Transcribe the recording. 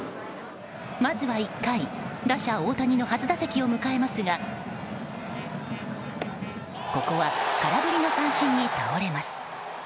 まずは１回打者・大谷の初打席を迎えますがここは空振りの三振に倒れます。